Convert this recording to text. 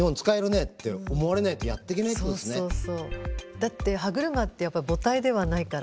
だって歯車ってやっぱ母体ではないから。